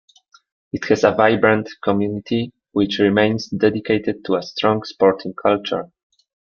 It has a vibrant community, which remains dedicated to a strong sporting culture.